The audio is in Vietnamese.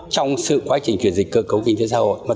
trong sự quá trình chuyển dịch cơ cấu kinh tế xã hội